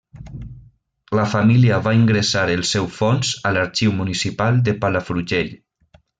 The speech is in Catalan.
La família va ingressar el seu fons a l'Arxiu Municipal de Palafrugell.